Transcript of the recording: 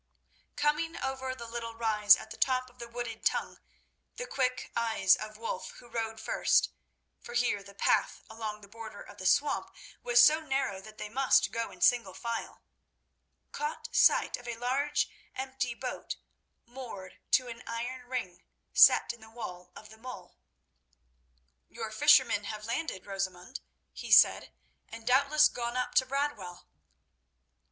Coming over the little rise at the top of the wooded tongue, the quick eyes of Wulf, who rode first—for here the path along the border of the swamp was so narrow that they must go in single file—caught sight of a large, empty boat moored to an iron ring set in the wall of the mole. "Your fishermen have landed, Rosamund," he said, "and doubtless gone up to Bradwell."